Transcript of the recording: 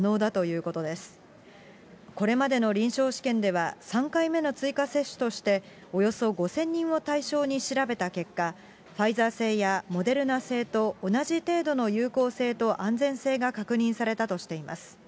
これまでの臨床試験では、３回目の追加接種として、およそ５０００人を対象に調べた結果、ファイザー製やモデルナ製と同じ程度の有効性と安全性が確認されたとしています。